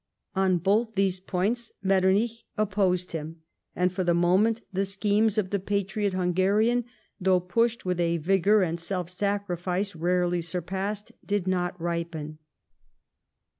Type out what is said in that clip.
On both these points Metternich opposed him, and for the moment the schemes of the patriot Hungarian, though pushed with a vigour and self sacrifice rarely surpassed, did not ripen.